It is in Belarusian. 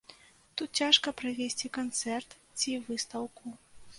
Тут цяжка правесці канцэрт ці выстаўку.